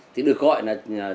thì được gọi là